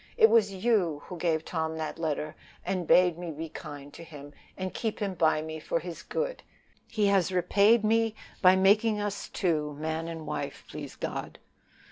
It was you that gave Tom the letter, and bade me be kind to him, and keep him by me for his good; he has repaid me by making us two man and wife, please God.